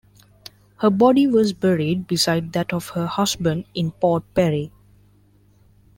Her body was buried beside that of her husband in Port Perry.